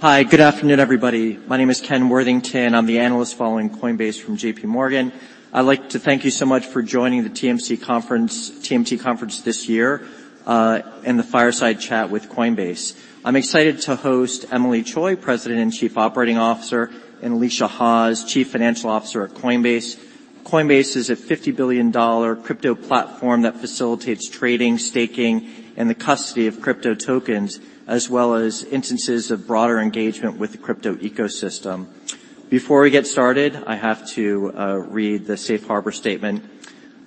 Hi, good afternoon, everybody. My name is Ken Worthington. I'm the analyst following Coinbase from J.P. Morgan. I'd like to thank you so much for joining the TMT conference this year, and the fireside chat with Coinbase. I'm excited to host Emilie Choi, President and Chief Operating Officer, and Alesia Haas, Chief Financial Officer at Coinbase. Coinbase is a $50 billion crypto platform that facilitates trading, staking, and the custody of crypto tokens, as well as instances of broader engagement with the crypto ecosystem. Before we get started, I have to read the safe harbor statement.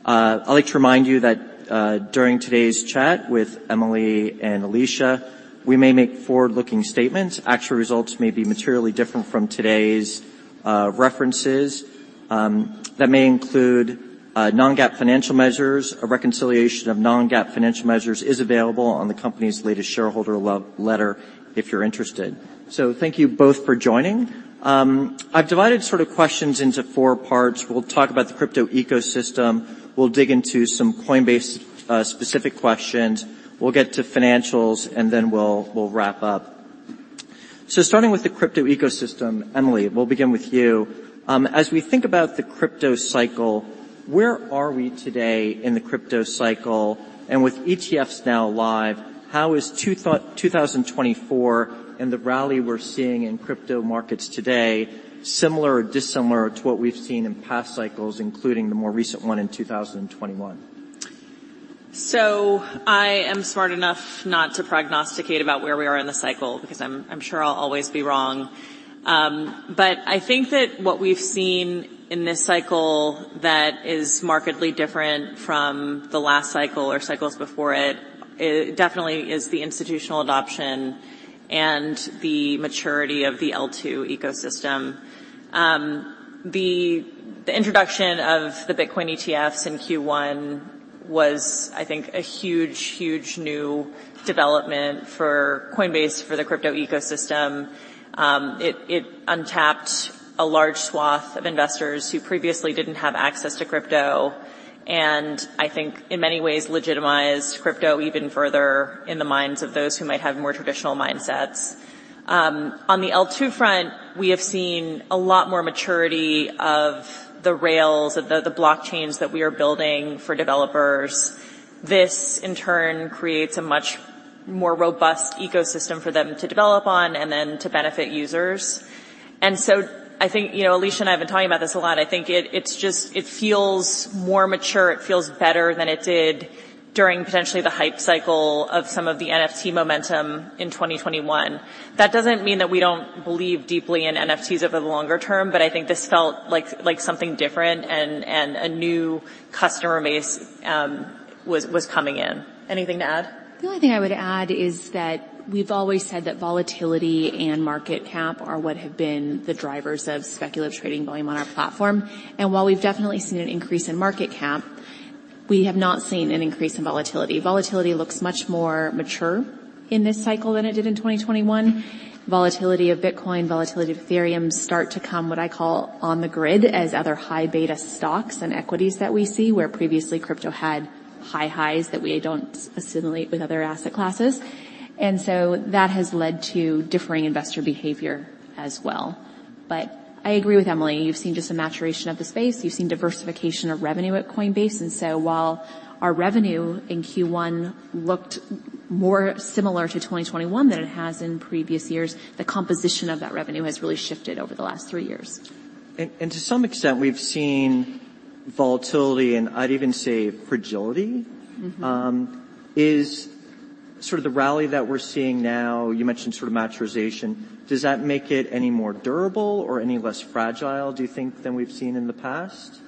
I'd like to remind you that, during today's chat with Emilie and Alesia, we may make forward-looking statements. Actual results may be materially different from today's references. That may include Non-GAAP financial measures. A reconciliation of non-GAAP financial measures is available on the company's latest shareholder love letter, if you're interested. So thank you both for joining. I've divided sort of questions into four parts. We'll talk about the crypto ecosystem. We'll dig into some Coinbase specific questions. We'll get to financials, and then we'll wrap up. So starting with the crypto ecosystem, Emilie, we'll begin with you. As we think about the crypto cycle, where are we today in the crypto cycle? And with ETFs now live, how is 2024 and the rally we're seeing in crypto markets today similar or dissimilar to what we've seen in past cycles, including the more recent one in 2021? So I am smart enough not to prognosticate about where we are in the cycle, because I'm sure I'll always be wrong. But I think that what we've seen in this cycle that is markedly different from the last cycle or cycles before it, it definitely is the institutional adoption and the maturity of the L2 ecosystem. The introduction of the Bitcoin ETFs in Q1 was, I think, a huge, huge new development for Coinbase, for the crypto ecosystem. It untapped a large swath of investors who previously didn't have access to crypto, and I think in many ways legitimized crypto even further in the minds of those who might have more traditional mindsets. On the L2 front, we have seen a lot more maturity of the rails, of the blockchains that we are building for developers. This, in turn, creates a much more robust ecosystem for them to develop on and then to benefit users. And so I think, you know, Alesia and I have been talking about this a lot. I think it, it's just, it feels more mature. It feels better than it did during potentially the hype cycle of some of the NFT momentum in 2021. That doesn't mean that we don't believe deeply in NFTs over the longer term, but I think this felt like, like something different and, and a new customer base was coming in. Anything to add? The only thing I would add is that we've always said that volatility and market cap are what have been the drivers of speculative trading volume on our platform. While we've definitely seen an increase in market cap, we have not seen an increase in volatility. Volatility looks much more mature in this cycle than it did in 2021. Volatility of Bitcoin, volatility of Ethereum start to come, what I call, on the grid as other high beta stocks and equities that we see, where previously crypto had high highs that we don't assimilate with other asset classes. And so that has led to differing investor behavior as well. I agree with Emilie. You've seen just a maturation of the space. You've seen diversification of revenue at Coinbase, and so while our revenue in Q1 looked more similar to 2021 than it has in previous years, the composition of that revenue has really shifted over the last three years. And to some extent, we've seen volatility, and I'd even say fragility. Mm-hmm. Is sort of the rally that we're seeing now, you mentioned sort of maturation, does that make it any more durable or any less fragile, do you think, than we've seen in the past?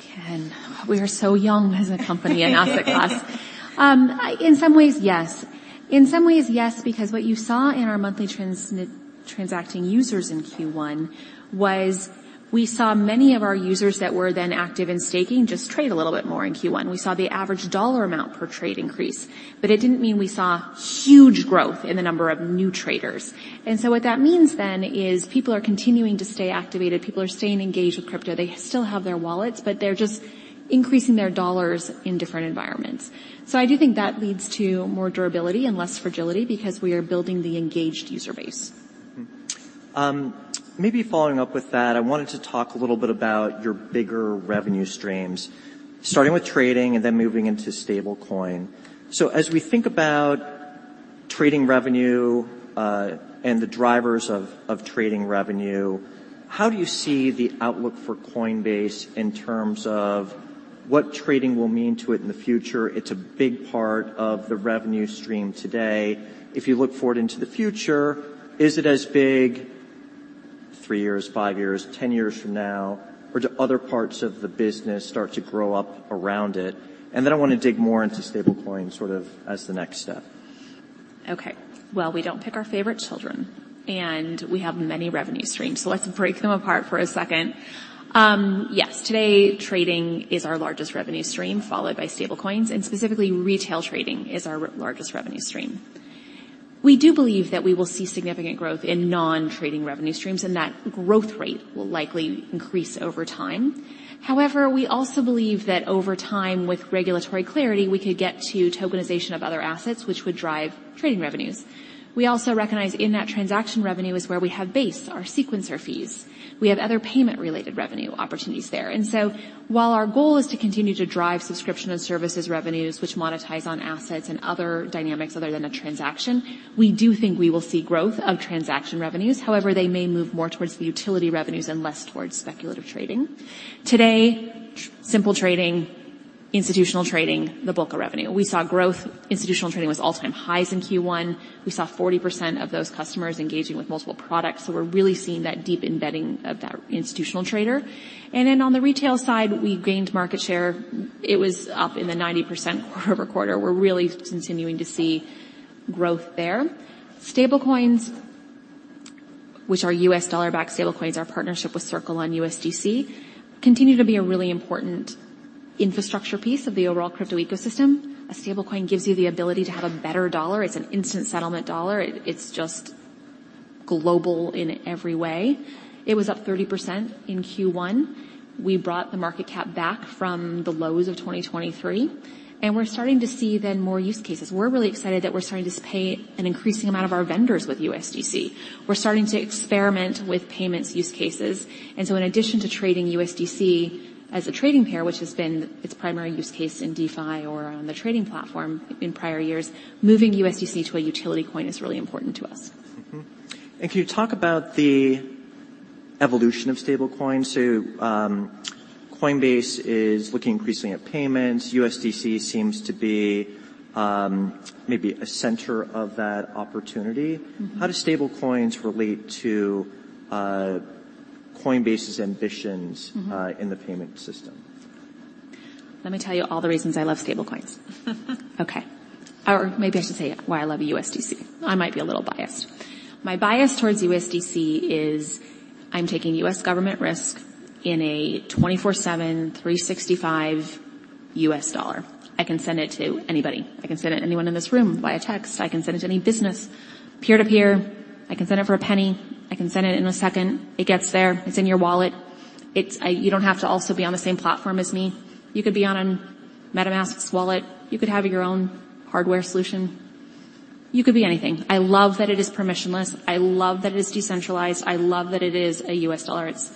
Ken, we are so young as a company in asset class. In some ways, yes. In some ways, yes, because what you saw in our monthly transacting users in Q1 was we saw many of our users that were then active in staking just trade a little bit more in Q1. We saw the average dollar amount per trade increase, but it didn't mean we saw huge growth in the number of new traders. And so what that means then is people are continuing to stay activated. People are staying engaged with crypto. They still have their wallets, but they're just increasing their dollars in different environments. So I do think that leads to more durability and less fragility because we are building the engaged user base. Maybe following up with that, I wanted to talk a little bit about your bigger revenue streams, starting with trading and then moving into stablecoin. So as we think about trading revenue, and the drivers of trading revenue, how do you see the outlook for Coinbase in terms of what trading will mean to it in the future? It's a big part of the revenue stream today. If you look forward into the future, is it as big three years, five years, 10 years from now, or do other parts of the business start to grow up around it? And then I want to dig more into stablecoin, sort of, as the next step. Okay, well, we don't pick our favorite children, and we have many revenue streams, so let's break them apart for a second. Yes, today, trading is our largest revenue stream, followed by stablecoins, and specifically, retail trading is our largest revenue stream. We do believe that we will see significant growth in non-trading revenue streams, and that growth rate will likely increase over time. However, we also believe that over time, with regulatory clarity, we could get to tokenization of other assets, which would drive trading revenues. We also recognize in that transaction revenue is where we have Base, our sequencer fees. We have other payment-related revenue opportunities there. And so while our goal is to continue to drive subscription and services revenues, which monetize on assets and other dynamics other than a transaction, we do think we will see growth of transaction revenues. However, they may move more towards the utility revenues and less towards speculative trading. Today, simple trading, institutional trading, the bulk of revenue. We saw growth, institutional trading was all-time highs in Q1. We saw 40% of those customers engaging with multiple products, so we're really seeing that deep embedding of that institutional trader. And then on the retail side, we gained market share. It was up in the 90% quarter-over-quarter. We're really continuing to see growth there. Stablecoins, which are U.S. dollar-backed stablecoins, our partnership with Circle on USDC, continue to be a really important infrastructure piece of the overall crypto ecosystem. A stablecoin gives you the ability to have a better dollar. It's an instant settlement dollar. It's just global in every way. It was up 30% in Q1. We brought the market cap back from the lows of 2023, and we're starting to see then more use cases. We're really excited that we're starting to pay an increasing amount of our vendors with USDC. We're starting to experiment with payments use cases, and so in addition to trading USDC as a trading pair, which has been its primary use case in DeFi or on the trading platform in prior years, moving USDC to a utility coin is really important to us. Can you talk about the evolution of stablecoins? Coinbase is looking increasingly at payments. USDC seems to be, maybe a center of that opportunity. How do stablecoins relate to Coinbase's ambitions in the payment system? Let me tell you all the reasons I love stablecoins. Okay, or maybe I should say why I love USDC. I might be a little biased. My bias towards USDC is I'm taking US government risk in a 24/7, 365 US dollar. I can send it to anybody. I can send it to anyone in this room via text. I can send it to any business, peer-to-peer. I can send it for a penny. I can send it in a second. It gets there. It's in your wallet. It's. You don't have to also be on the same platform as me. You could be on MetaMask's wallet. You could have your own hardware solution. You could be anything. I love that it is permissionless. I love that it is decentralized. I love that it is a US dollar. It's...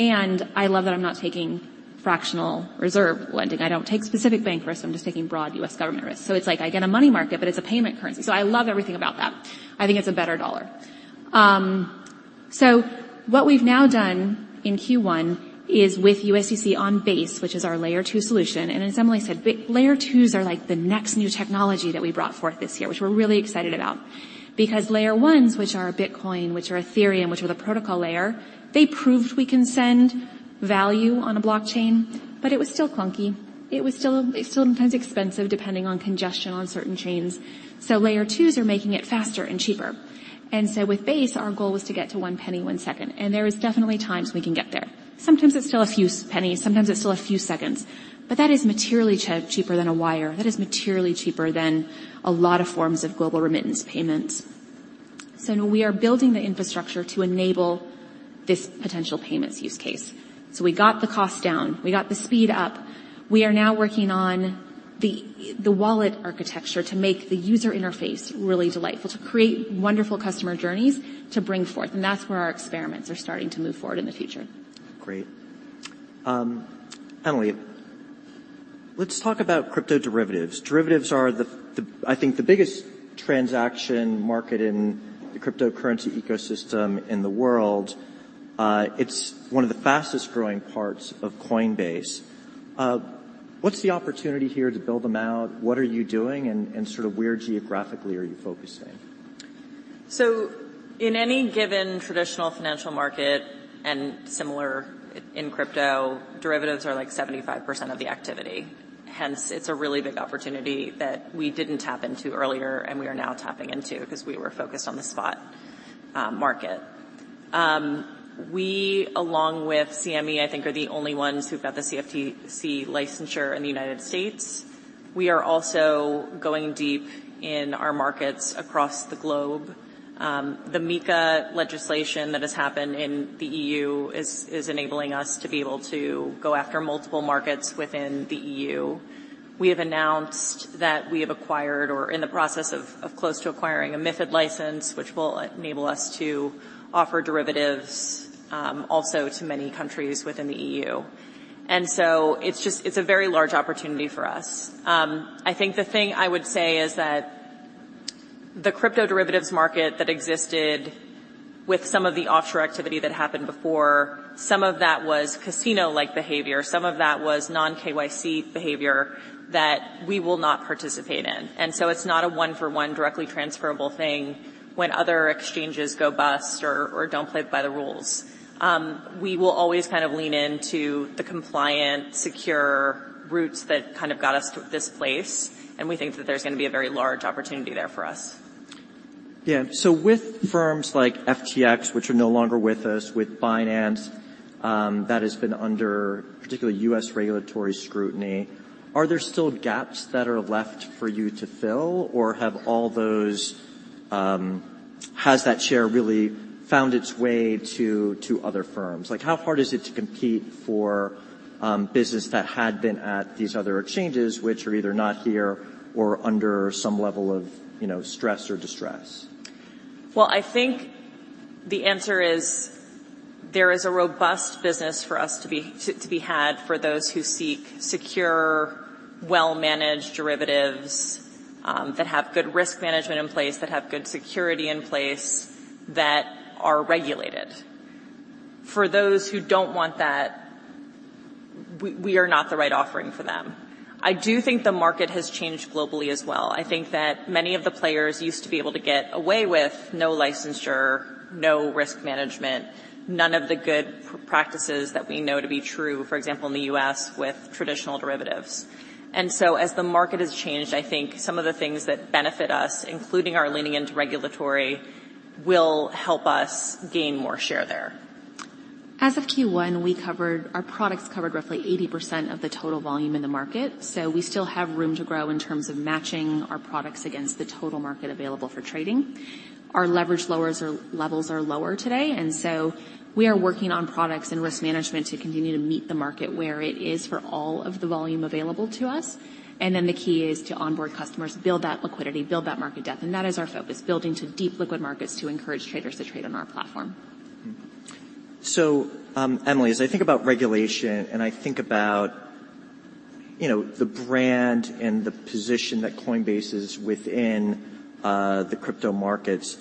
I love that I'm not taking fractional reserve lending. I don't take specific bank risk, I'm just taking broad U.S. government risk. So it's like I get a money market, but it's a payment currency. So I love everything about that. I think it's a better dollar. So what we've now done in Q1 is with USDC on Base, which is our Layer 2 solution, and as Emilie said, Layer 2s are like the next new technology that we brought forth this year, which we're really excited about. Because Layer 1s, which are Bitcoin, which are Ethereum, which are the protocol layer, they proved we can send value on a blockchain, but it was still clunky. It was still, it's still sometimes expensive, depending on congestion on certain chains. So Layer 2s are making it faster and cheaper. So with Base, our goal was to get to one penny, one second, and there is definitely times we can get there. Sometimes it's still a few pennies, sometimes it's still a few seconds, but that is materially cheaper than a wire. That is materially cheaper than a lot of forms of global remittance payments. So we are building the infrastructure to enable this potential payments use case. So we got the cost down, we got the speed up. We are now working on the wallet architecture to make the user interface really delightful, to create wonderful customer journeys, to bring forth, and that's where our experiments are starting to move forward in the future. Great. Emilie, let's talk about crypto derivatives. Derivatives are the, I think, the biggest transaction market in the cryptocurrency ecosystem in the world. It's one of the fastest-growing parts of Coinbase. What's the opportunity here to build them out? What are you doing, and sort of where geographically are you focusing? So in any given traditional financial market, and similar in crypto, derivatives are, like, 75% of the activity. Hence, it's a really big opportunity that we didn't tap into earlier, and we are now tapping into because we were focused on the spot market. We, along with CME, I think, are the only ones who've got the CFTC licensure in the United States. We are also going deep in our markets across the globe. The MiCA legislation that has happened in the EU is, is enabling us to be able to go after multiple markets within the EU. We have announced that we have acquired or are in the process of, of close to acquiring a MiFID license, which will enable us to offer derivatives also to many countries within the EU. And so it's just—it's a very large opportunity for us. I think the thing I would say is that the crypto derivatives market that existed with some of the offshore activity that happened before, some of that was casino-like behavior, some of that was non-KYC behavior that we will not participate in. And so it's not a one-for-one, directly transferable thing when other exchanges go bust or, or don't play by the rules. We will always kind of lean into the compliant, secure routes that kind of got us to this place, and we think that there's gonna be a very large opportunity there for us. Yeah, so with firms like FTX, which are no longer with us, with Binance, that has been under particularly U.S. regulatory scrutiny, are there still gaps that are left for you to fill, or have all those-- has that share really found its way to, to other firms? Like, how hard is it to compete for business that had been at these other exchanges, which are either not here or under some level of, you know, stress or distress? Well, I think the answer is there is a robust business for us to be had for those who seek secure, well-managed derivatives that have good risk management in place, that have good security in place, that are regulated. For those who don't want that, we are not the right offering for them. I do think the market has changed globally as well. I think that many of the players used to be able to get away with no licensure, no risk management, none of the good practices that we know to be true, for example, in the U.S. with traditional derivatives. And so as the market has changed, I think some of the things that benefit us, including our leaning into regulatory, will help us gain more share there. As of Q1, our products covered roughly 80% of the total volume in the market, so we still have room to grow in terms of matching our products against the total market available for trading. Our leverage levels are lower today, and so we are working on products and risk management to continue to meet the market where it is for all of the volume available to us. And then the key is to onboard customers, build that liquidity, build that market depth, and that is our focus, building to deep liquid markets to encourage traders to trade on our platform. So, Emilie, as I think about regulation, and I think about, you know, the brand and the position that Coinbase is within, the crypto markets,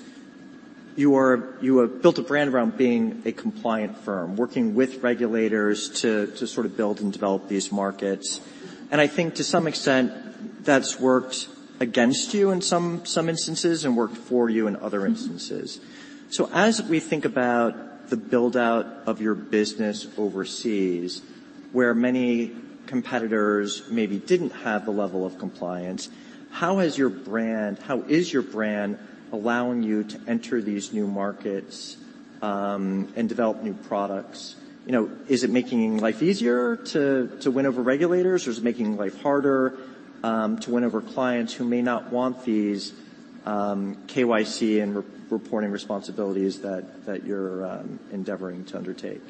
you have built a brand around being a compliant firm, working with regulators to sort of build and develop these markets. And I think to some extent, that's worked against you in some instances and worked for you in other instances. So as we think about the build-out of your business overseas, where many competitors maybe didn't have the level of compliance, how has your brand, how is your brand allowing you to enter these new markets, and develop new products? You know, is it making life easier to, to win over regulators, or is it making life harder, to win over clients who may not want these, KYC and regulatory reporting responsibilities that, that you're, endeavoring to undertake?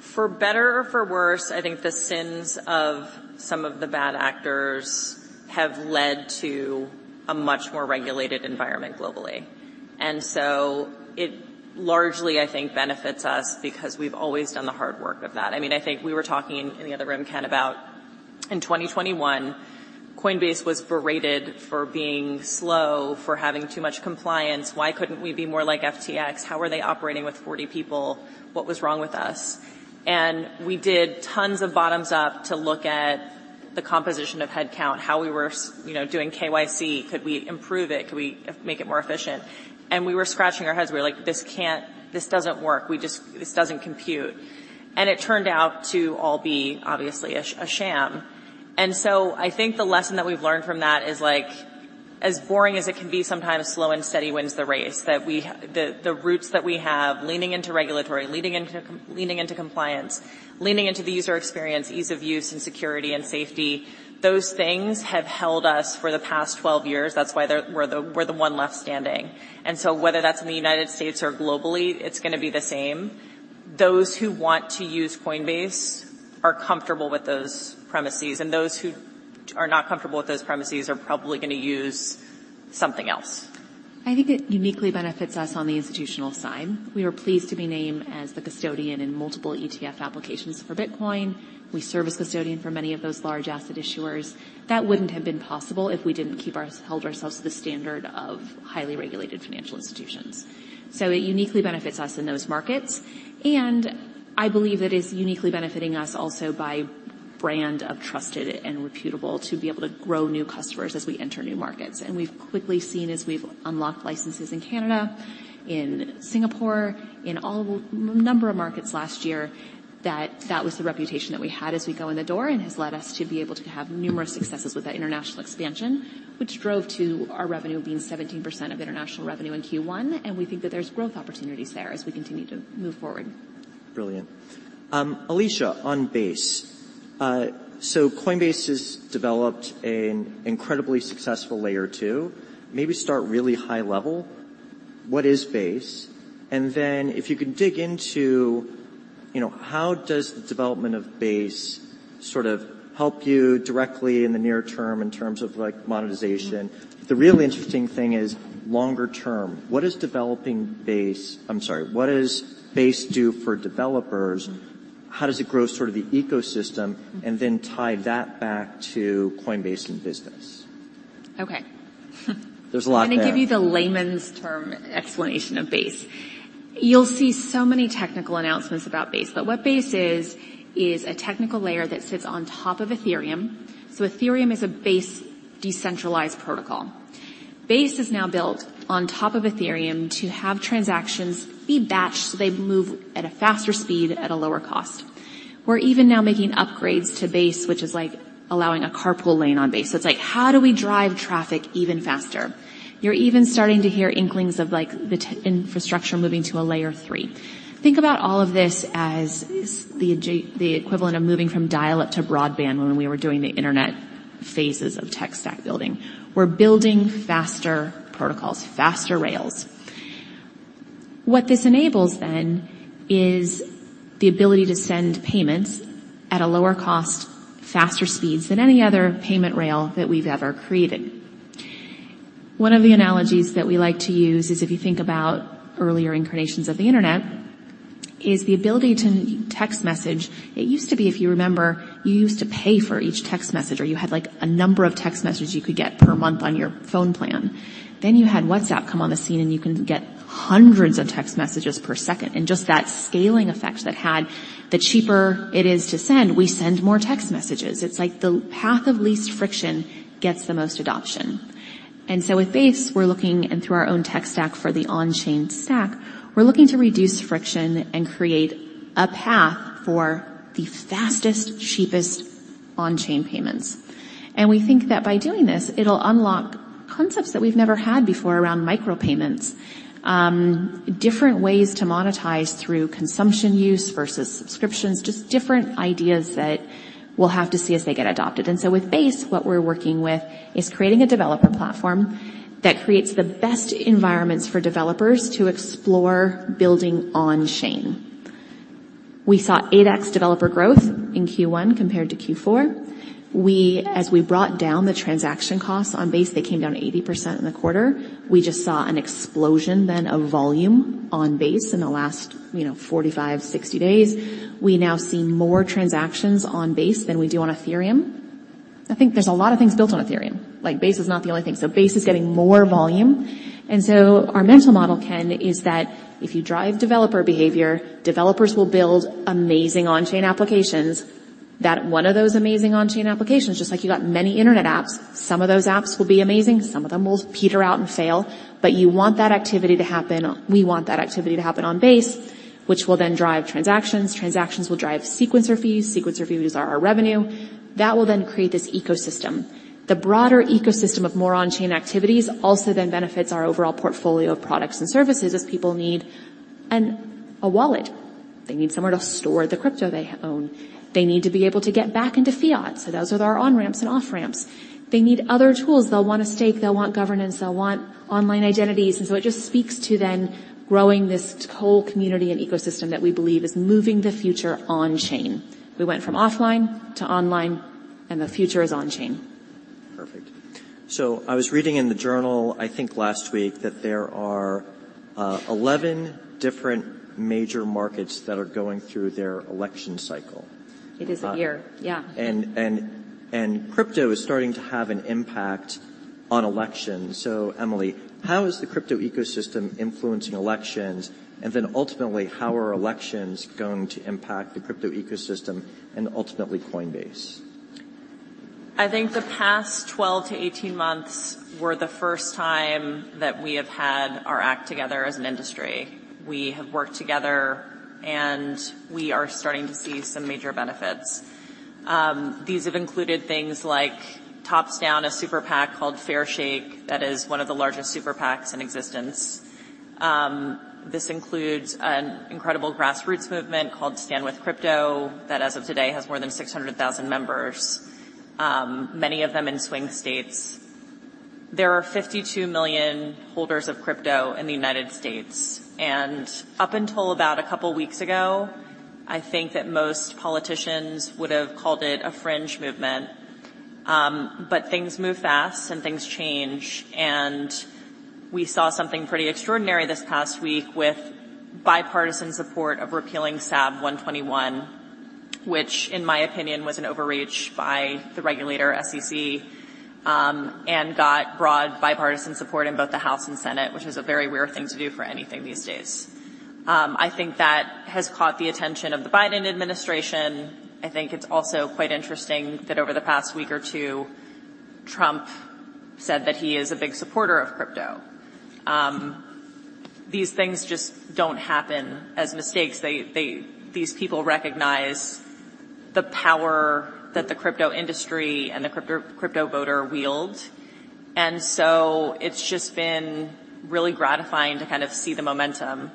For better or for worse, I think the sins of some of the bad actors have led to a much more regulated environment globally. And so it largely, I think, benefits us because we've always done the hard work of that. I mean, I think we were talking in the other room, Ken, about in 2021, Coinbase was berated for being slow, for having too much compliance. Why couldn't we be more like FTX? How were they operating with 40 people? What was wrong with us? And we did tons of bottoms-up to look at the composition of headcount, how we were, you know, doing KYC. Could we improve it? Could we make it more efficient? And we were scratching our heads. We were like: This can't... This doesn't work. We just-- This doesn't compute. And it turned out to all be obviously a sham. And so I think the lesson that we've learned from that is, like, as boring as it can be, sometimes slow and steady wins the race, that the routes that we have, leaning into regulatory, leaning into compliance, leaning into the user experience, ease of use and security and safety, those things have held us for the past 12 years. That's why we're the one left standing. And so whether that's in the United States or globally, it's gonna be the same. Those who want to use Coinbase are comfortable with those premises, and those who are not comfortable with those premises are probably gonna use something else. I think it uniquely benefits us on the institutional side. We are pleased to be named as the custodian in multiple ETF applications for Bitcoin. We serve as custodian for many of those large asset issuers. That wouldn't have been possible if we didn't hold ourselves to the standard of highly regulated financial institutions. So it uniquely benefits us in those markets, and I believe it is uniquely benefiting us also by brand of trusted and reputable to be able to grow new customers as we enter new markets. We've quickly seen, as we've unlocked licenses in Canada, in Singapore, in all number of markets last year, that that was the reputation that we had as we go in the door, and has led us to be able to have numerous successes with that international expansion, which drove to our revenue being 17% of international revenue in Q1, and we think that there's growth opportunities there as we continue to move forward. Brilliant. Alesia, on Base, so Coinbase has developed an incredibly successful Layer 2. Maybe start really high level, what is Base? And then if you could dig into, you know, how does the development of Base sort of help you directly in the near term in terms of, like, monetization? The really interesting thing is, longer term, what does Base do for developers? How does it grow sort of the ecosystem, and then tie that back to Coinbase and business? Okay. There's a lot there. Let me give you the layman's term explanation of Base. You'll see so many technical announcements about Base, but what Base is, is a technical layer that sits on top of Ethereum. So Ethereum is a base decentralized protocol. Base is now built on top of Ethereum to have transactions be batched, so they move at a faster speed, at a lower cost. We're even now making upgrades to Base, which is like allowing a carpool lane on Base. It's like, how do we drive traffic even faster? You're even starting to hear inklings of, like, the tech infrastructure moving to a layer three. Think about all of this as the equivalent of moving from dial-up to broadband when we were doing the internet phases of tech stack building. We're building faster protocols, faster rails. What this enables then is the ability to send payments at a lower cost, faster speeds than any other payment rail that we've ever created. One of the analogies that we like to use is, if you think about earlier incarnations of the internet, is the ability to text message. It used to be, if you remember, you used to pay for each text message, or you had, like, a number of text messages you could get per month on your phone plan. Then you had WhatsApp come on the scene, and you can get hundreds of text messages per second. And just that scaling effect that had, the cheaper it is to send, we send more text messages. It's like the path of least friction gets the most adoption. And so with Base, we're looking, and through our own tech stack for the on-chain stack, we're looking to reduce friction and create a path for the fastest, cheapest on-chain payments. And we think that by doing this, it'll unlock concepts that we've never had before around micropayments, different ways to monetize through consumption use versus subscriptions, just different ideas that we'll have to see as they get adopted. And so with Base, what we're working with is creating a developer platform that creates the best environments for developers to explore building on chain. We saw 8x developer growth in Q1 compared to Q4. As we brought down the transaction costs on Base, they came down 80% in the quarter. We just saw an explosion then of volume on Base in the last, you know, 45-60 days. We now see more transactions on Base than we do on Ethereum. I think there's a lot of things built on Ethereum, like, Base is not the only thing. So Base is getting more volume. And so our mental model, Ken, is that if you drive developer behavior, developers will build amazing on-chain applications. That, one of those amazing on-chain applications, just like you got many internet apps, some of those apps will be amazing, some of them will peter out and fail, but you want that activity to happen. We want that activity to happen on Base, which will then drive transactions. Transactions will drive sequencer fees. Sequencer fees are our revenue. That will then create this ecosystem. The broader ecosystem of more on-chain activities also then benefits our overall portfolio of products and services, as people need and a wallet. They need somewhere to store the crypto they own. They need to be able to get back into fiat, so those are our on-ramps and off-ramps. They need other tools. They'll want to stake, they'll want governance, they'll want online identities, and so it just speaks to then growing this whole community and ecosystem that we believe is moving the future on chain. We went from offline to online, and the future is on chain. Perfect. So I was reading in the journal, I think last week, that there are 11 different major markets that are going through their election cycle. It is a year. Yeah. And crypto is starting to have an impact on elections. So, Emilie, how is the crypto ecosystem influencing elections? And then ultimately, how are elections going to impact the crypto ecosystem and ultimately Coinbase? I think the past 12-18 months were the first time that we have had our act together as an industry. We have worked together, and we are starting to see some major benefits. These have included things like top-down, a Super PAC called Fairshake. That is one of the largest Super PACs in existence. This includes an incredible grassroots movement called Stand with Crypto, that, as of today, has more than 600,000 members, many of them in swing states. There are 52 million holders of crypto in the United States, and up until about a couple weeks ago, I think that most politicians would have called it a fringe movement. But things move fast, and things change, and we saw something pretty extraordinary this past week with bipartisan support of repealing SAB 121, which in my opinion, was an overreach by the regulator, SEC, and got broad bipartisan support in both the House and Senate, which is a very rare thing to do for anything these days. I think that has caught the attention of the Biden administration. I think it's also quite interesting that over the past week or two, Trump said that he is a big supporter of crypto. These things just don't happen as mistakes. These people recognize the power that the crypto industry and the crypto, crypto voter wield, and so it's just been really gratifying to kind of see the momentum.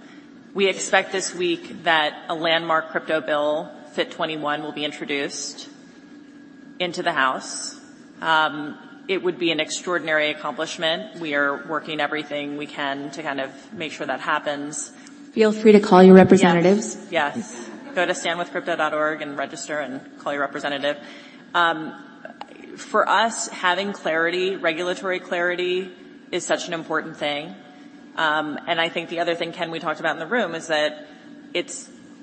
We expect this week that a landmark crypto bill, FIT21, will be introduced into the House. It would be an extraordinary accomplishment. We are working everything we can to kind of make sure that happens. Feel free to call your representatives. Yes. Yes. Go to standwithcrypto.org and register and call your representative. For us, having clarity, regulatory clarity is such an important thing. And I think the other thing, Ken, we talked about in the room, is that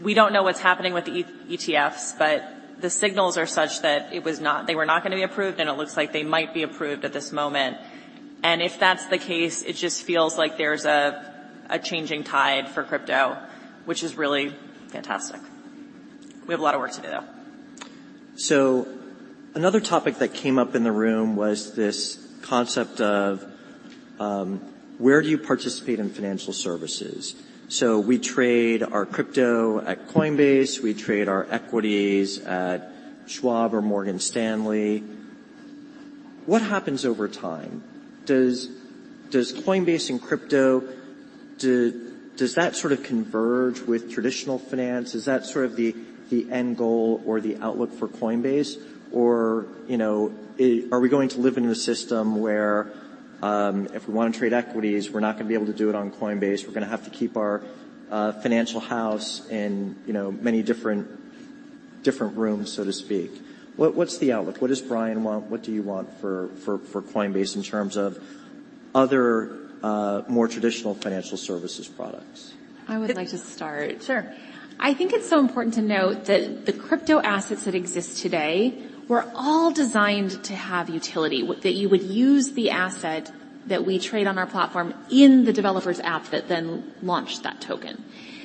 we don't know what's happening with the ETH ETFs, but the signals are such that they were not gonna be approved, and it looks like they might be approved at this moment. And if that's the case, it just feels like there's a changing tide for crypto, which is really fantastic. We have a lot of work to do, though. So another topic that came up in the room was this concept of where do you participate in financial services? So we trade our crypto at Coinbase, we trade our equities at Schwab or Morgan Stanley. What happens over time? Does Coinbase and crypto sort of converge with traditional finance? Is that sort of the end goal or the outlook for Coinbase? Or, you know, are we going to live in a system where if we want to trade equities, we're not gonna be able to do it on Coinbase, we're gonna have to keep our financial house in, you know, many different rooms, so to speak. What's the outlook? What does Brian want? What do you want for Coinbase in terms of other more traditional financial services products? I would like to start. Sure. I think it's so important to note that the crypto assets that exist today were all designed to have utility, that you would use the asset that we trade on our platform in the developer's app that then launched that token.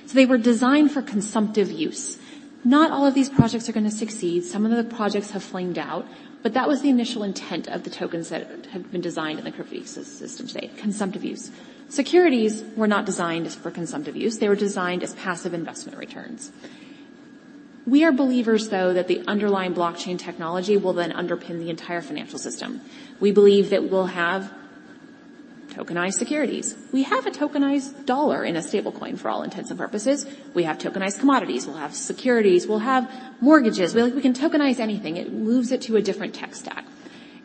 So they were designed for consumptive use. Not all of these projects are gonna succeed. Some of the projects have flamed out, but that was the initial intent of the tokens that have been designed in the crypto system today, consumptive use. Securities were not designed as for consumptive use. They were designed as passive investment returns. We are believers, though, that the underlying blockchain technology will then underpin the entire financial system. We believe that we'll have tokenized securities. We have a tokenized dollar in a stablecoin, for all intents and purposes. We have tokenized commodities, we'll have securities, we'll have mortgages. We, we can tokenize anything. It moves it to a different tech stack.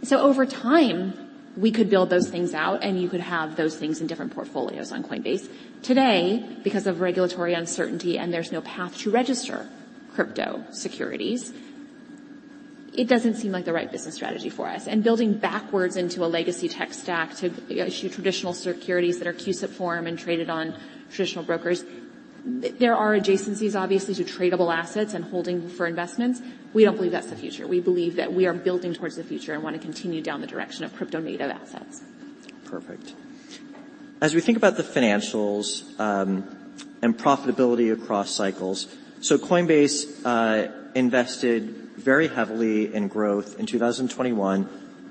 So over time, we could build those things out, and you could have those things in different portfolios on Coinbase. Today, because of regulatory uncertainty and there's no path to register crypto securities, it doesn't seem like the right business strategy for us. And building backwards into a legacy tech stack to issue traditional securities that are CUSIP form and traded on traditional brokers, there are adjacencies, obviously, to tradable assets and holding for investments. We don't believe that's the future. We believe that we are building towards the future and want to continue down the direction of crypto-native assets. Perfect. As we think about the financials and profitability across cycles, so Coinbase invested very heavily in growth in 2021,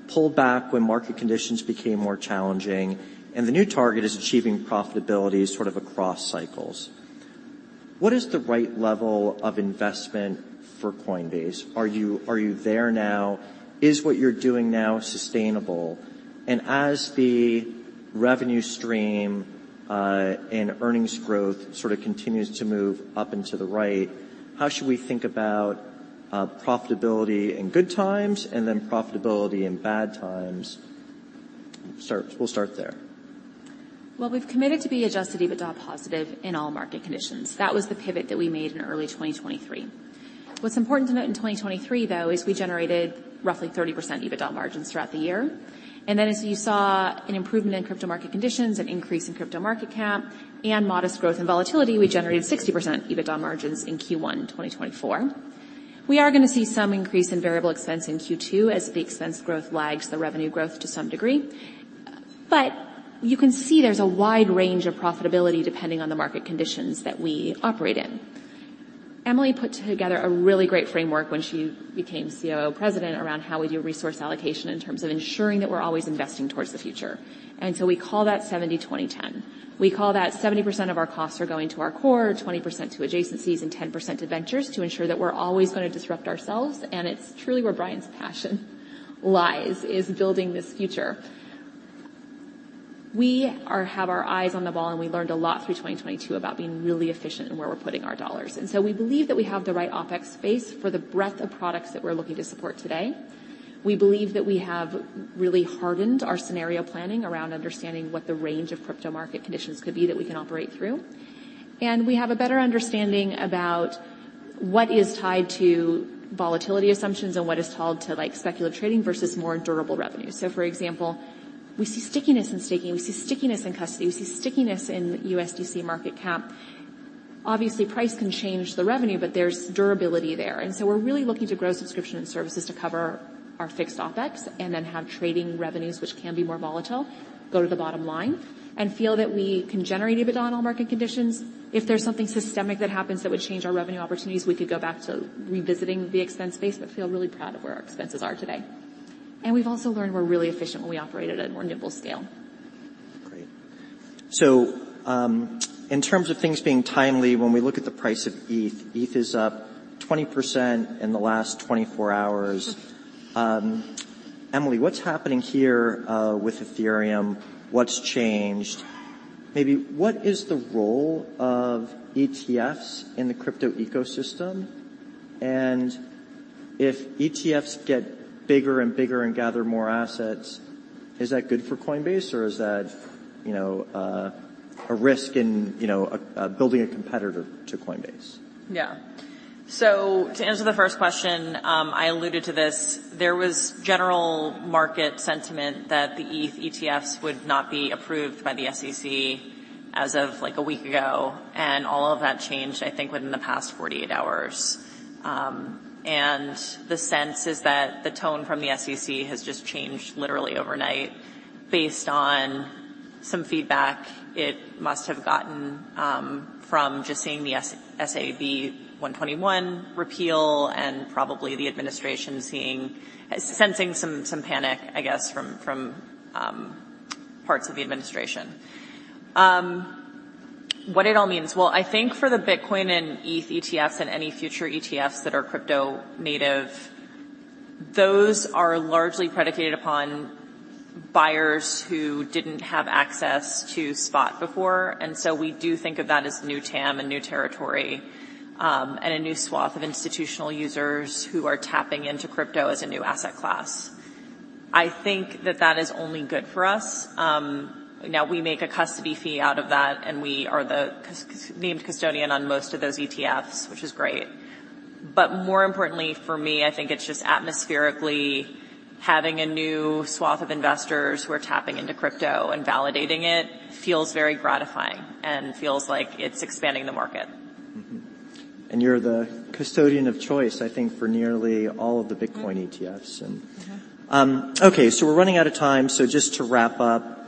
pulled back when market conditions became more challenging, and the new target is achieving profitability sort of across cycles. What is the right level of investment for Coinbase? Are you there now? Is what you're doing now sustainable? And as the revenue stream and earnings growth sort of continues to move up into the right, how should we think about profitability in good times and then profitability in bad times? We'll start there. Well, we've committed to be Adjusted EBITDA positive in all market conditions. That was the pivot that we made in early 2023. What's important to note in 2023, though, is we generated roughly 30% EBITDA margins throughout the year, and then as you saw an improvement in crypto market conditions, an increase in crypto market cap, and modest growth and volatility, we generated 60% EBITDA margins in Q1 2024. We are gonna see some increase in variable expense in Q2 as the expense growth lags the revenue growth to some degree. But you can see there's a wide range of profitability depending on the market conditions that we operate in. Emilie put together a really great framework when she became COO President around how we do resource allocation in terms of ensuring that we're always investing towards the future. And so we call that 70/20/10. We call that 70% of our costs are going to our core, 20% to adjacencies, and 10% to ventures to ensure that we're always gonna disrupt ourselves, and it's truly where Brian's passion lies, is building this future. We are, have our eyes on the ball, and we learned a lot through 2022 about being really efficient in where we're putting our dollars. So we believe that we have the right OpEx space for the breadth of products that we're looking to support today. We believe that we have really hardened our scenario planning around understanding what the range of crypto market conditions could be that we can operate through. And we have a better understanding about what is tied to volatility assumptions and what is tied to, like, speculative trading versus more durable revenue. So for example, we see stickiness in staking, we see stickiness in custody, we see stickiness in USDC market cap. Obviously, price can change the revenue, but there's durability there, and so we're really looking to grow subscription and services to cover our fixed OpEx and then have trading revenues, which can be more volatile, go to the bottom line and feel that we can generate EBITDA on all market conditions. If there's something systemic that happens that would change our revenue opportunities, we could go back to revisiting the expense base, but feel really proud of where our expenses are today. And we've also learned we're really efficient when we operate at a more nimble scale. Great. So, in terms of things being timely, when we look at the price of ETH, ETH is up 20% in the last 24 hours. Emilie, what's happening here, with Ethereum? What's changed? Maybe what is the role of ETFs in the crypto ecosystem? And if ETFs get bigger and bigger and gather more assets, is that good for Coinbase, or is that, you know, a risk in, you know, building a competitor to Coinbase? Yeah. So to answer the first question, I alluded to this, there was general market sentiment that the ETH ETFs would not be approved by the SEC as of, like, a week ago, and all of that changed, I think, within the past 48 hours. And the sense is that the tone from the SEC has just changed literally overnight based on some feedback it must have gotten, from just seeing the SAB 121 repeal and probably the administration sensing some panic, I guess, from parts of the administration. What it all means? Well, I think for the Bitcoin and ETH ETFs and any future ETFs that are crypto native, those are largely predicated upon buyers who didn't have access to spot before. And so we do think of that as new TAM and new territory, and a new swath of institutional users who are tapping into crypto as a new asset class. I think that that is only good for us. Now we make a custody fee out of that, and we are the named custodian on most of those ETFs, which is great. But more importantly for me, I think it's just atmospherically having a new swath of investors who are tapping into crypto and validating it feels very gratifying and feels like it's expanding the market. And you're the custodian of choice, I think, for nearly all of the- Mm. Bitcoin ETFs, and... Mm-hmm. Okay, so we're running out of time. So just to wrap up,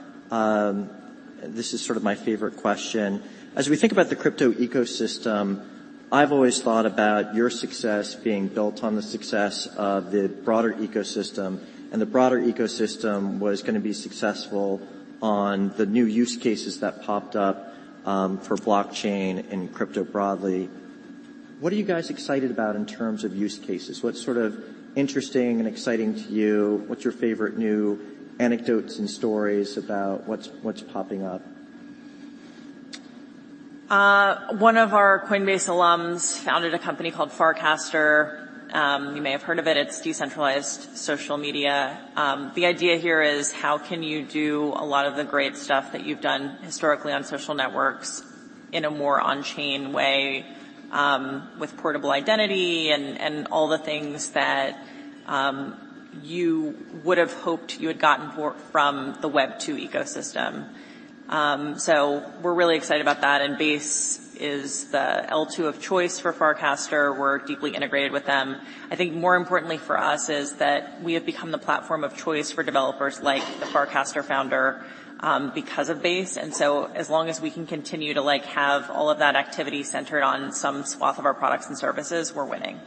this is sort of my favorite question. As we think about the crypto ecosystem, I've always thought about your success being built on the success of the broader ecosystem, and the broader ecosystem was gonna be successful on the new use cases that popped up, for blockchain and crypto broadly. What are you guys excited about in terms of use cases? What's sort of interesting and exciting to you? What's your favorite new anecdotes and stories about what's popping up? One of our Coinbase alums founded a company called Farcaster. You may have heard of it. It's decentralized social media. The idea here is: How can you do a lot of the great stuff that you've done historically on social networks in a more on-chain way, with portable identity and, and all the things that you would have hoped you had gotten from the Web2 ecosystem? So we're really excited about that, and Base is the L2 of choice for Farcaster. We're deeply integrated with them. I think more importantly for us is that we have become the platform of choice for developers like the Farcaster founder, because of Base. And so as long as we can continue to, like, have all of that activity centered on some swath of our products and services, we're winning.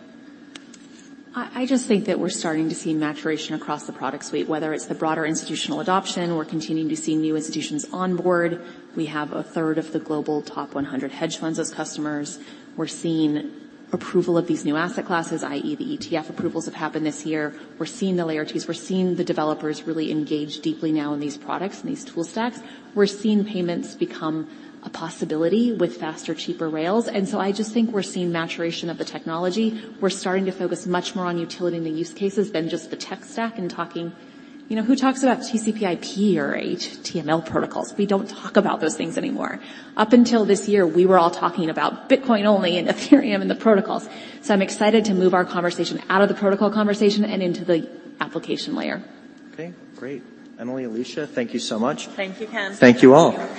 I just think that we're starting to see maturation across the product suite, whether it's the broader institutional adoption, we're continuing to see new institutions onboard. We have a third of the global top 100 hedge funds as customers. We're seeing approval of these new asset classes, i.e., the ETF approvals have happened this year. We're seeing the layer 2s. We're seeing the developers really engage deeply now in these products and these tool stacks. We're seeing payments become a possibility with faster, cheaper rails. And so I just think we're seeing maturation of the technology. We're starting to focus much more on utility and the use cases than just the tech stack and talking... You know, who talks about TCP/IP or HTML protocols? We don't talk about those things anymore. Up until this year, we were all talking about Bitcoin only and Ethereum and the protocols. So I'm excited to move our conversation out of the protocol conversation and into the application layer. Okay, great. Emilie, Alesia, thank you so much. Thank you, Ken. Thank you all.